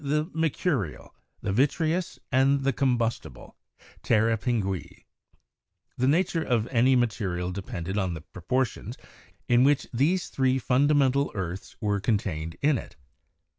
the "mercurial," the "vitre ous," and the "combustible" ('terra pinguis'). The nature of any material depended upon the proportions in which these three fundamental earths were contained in it.